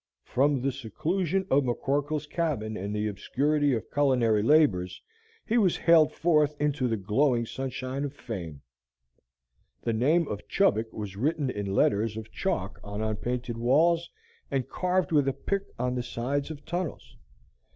From the seclusion of McCorkle's cabin and the obscurity of culinary labors, he was haled forth into the glowing sunshine of Fame. The name of Chubbuck was written in letters of chalk on unpainted walls, and carved with a pick on the sides of tunnels.